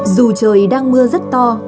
dù trời đang mưa rất to